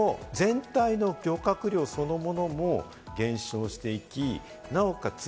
その後、全体の漁獲量そのものも減少していき、なおかつ